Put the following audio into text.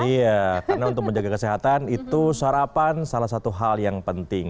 iya karena untuk menjaga kesehatan itu sarapan salah satu hal yang penting